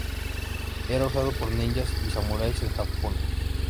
Era usado por ninjas y samuráis en Japón.